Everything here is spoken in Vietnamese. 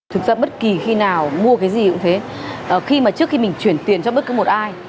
thực ra bất kỳ khi nào mua cái gì cũng thế khi mà trước khi mình chuyển tiền cho bất cứ một ai